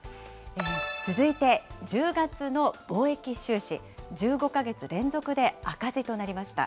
続いて、１０月の貿易収支、１５か月連続で赤字となりました。